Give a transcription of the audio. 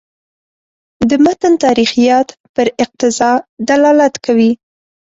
د متن تاریخیت پر اقتضا دلالت کوي.